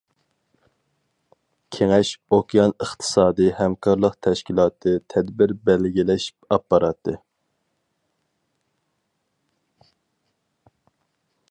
كېڭەش ئوكيان ئىقتىسادىي ھەمكارلىق تەشكىلاتى تەدبىر بەلگىلەش ئاپپاراتى.